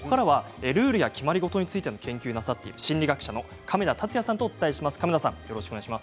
ルールや決まり事について研究なさっている心理学者の亀田達也さんとお伝えします。